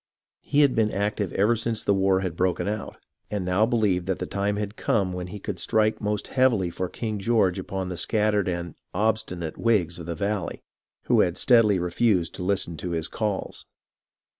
He had been active ever since the war had broken out, and now believed that the time had come when he could strike most heavily for King George upon the scattered and "obstinate" Whigs of the valley, who had steadily refused to listen to his calls.